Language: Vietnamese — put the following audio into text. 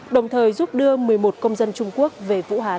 đồng thời giúp đưa một mươi một công dân trung quốc về vũ hán